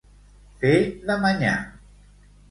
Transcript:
Fer de manyà.